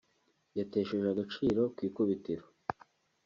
yatesheje agaciro ku ikubitiro